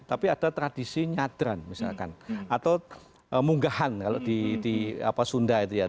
tapi ada tradisi nyadran misalkan atau munggahan kalau di sunda itu ya